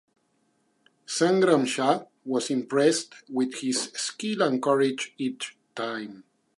Sangram Shah was impressed with his skill and courage each time.